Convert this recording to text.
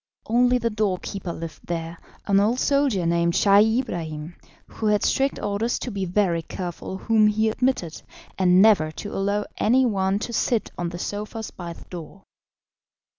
Only the door keeper lived there, an old soldier named Scheih Ibrahim, who had strict orders to be very careful whom he admitted, and never to allow any one to sit on the sofas by the door.